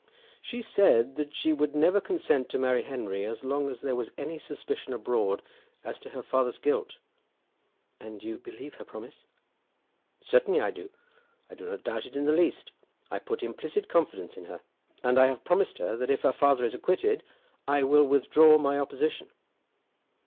"She said that she would never consent to marry Henry as long as there was any suspicion abroad as to her father's guilt." "And you believe her promise?" "Certainly I do; I do not doubt it in the least. I put implicit confidence in her. And I have promised her that if her father is acquitted, I will withdraw my opposition."